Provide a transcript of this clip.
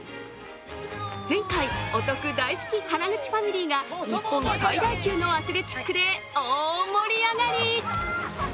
前回、お得大好き原口ファミリーが日本最大級のアスレチックで大盛り上がり。